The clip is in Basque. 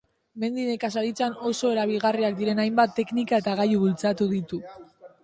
Mendi nekazaritzan oso erabilgarriak diren hainbat teknika eta gailu bultzatu ditu.